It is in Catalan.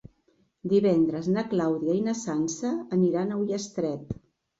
Divendres na Clàudia i na Sança aniran a Ullastret.